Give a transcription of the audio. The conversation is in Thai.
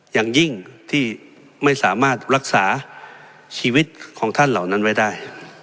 อย่างยิ่งที่ไม่สามารถรักษาชีวิตของท่านเหล่านั้นไว้ได้